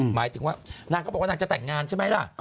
หมายถึงว่านางก็บอกว่านางจะแต่งงานใช่ไหมล่ะ